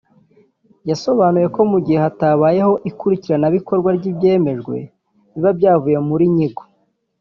yasobanuye ko mu gihe hatabayeho ikurikiranabikorwa ry’ibyemejwe biba byavuye muri nyigo